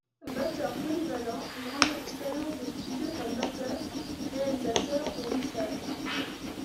Batteur polyvalent, grande expérience de studio comme batteur, réalisateur et mixage.